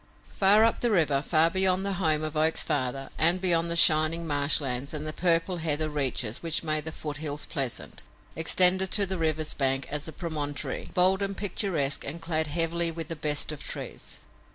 Far up the river, far beyond the home of Oak's father and beyond the shining marshlands and the purple heather reaches which made the foothills pleasant, extended to the river's bank a promontory, bold and picturesque and clad heavily with the best of trees.